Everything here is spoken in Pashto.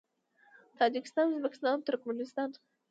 تاجکستان، ازبکستان او ترکمنستان